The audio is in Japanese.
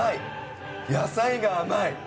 野菜が甘い。